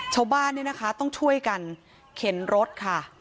ชาวบ้านเนี่ยนะคะต้องช่วยกันเข็นรถค่ะ